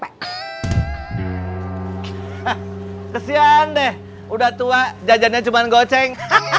hah kasihan deh udah tua jajannya cuma goceng